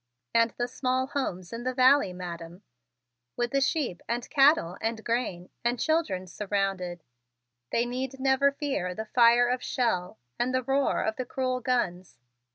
"And the small homes in the valley, Madam, with the sheep and cattle and grain and children surrounded, they need never fear the fire of shell and the roar of the cruel guns.